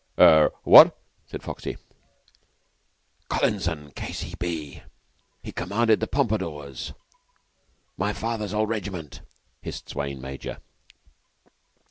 "Eh what?" said Foxy. "Collinson, K.C.B. He commanded the Pompadours my father's old regiment," hissed Swayne major.